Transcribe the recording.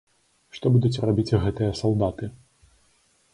Што будуць рабіць гэтыя салдаты?